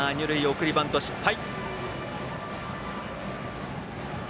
送りバント失敗。